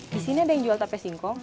di sini ada yang jual tape singkong